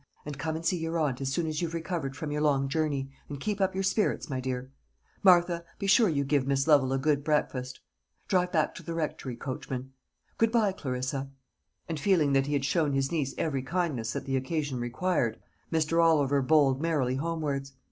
And come and see your aunt as soon as you've recovered from your long journey, and keep up your spirits, my dear. Martha, be sure you give Miss Lovel a good breakfast. Drive back to the Rectory, coachman. Good bye, Clarissa;" and feeling that he had shown his niece every kindness that the occasion required, Mr. Oliver bowled merrily homewards.